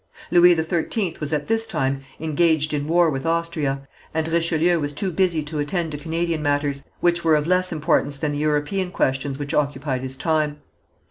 Louis XIII was at this time engaged in war with Austria, and Richelieu was too busy to attend to Canadian matters, which were of less importance than the European questions which occupied his time.